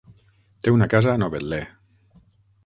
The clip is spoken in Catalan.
Té una casa a Novetlè.